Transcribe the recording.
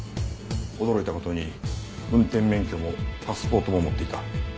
驚いた事に運転免許もパスポートも持っていた。